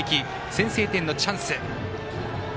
先制点のチャンス。